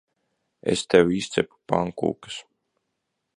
Es tev izcepu pankūkas.